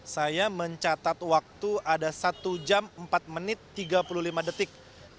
saya mencatat waktu ada satu jam empat menit tiga puluh lima detik